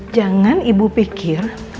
jangan ibu pikir